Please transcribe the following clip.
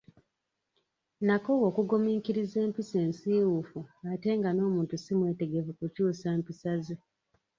Nakoowa okugumiikiriza empisa ensiwuufu ate nga n’omuntu si mwetegefu kukyusa mpisa ze.